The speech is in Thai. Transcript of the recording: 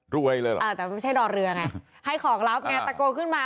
รวยเลยหรออ่าแต่ไม่ใช่ดอดเรือไงให้ของรับเนี่ยตะโกขึ้นมา